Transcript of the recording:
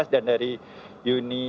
dan dari uni